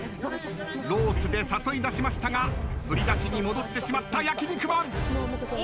ロースで誘い出しましたが振り出しに戻ってしまった焼肉マン。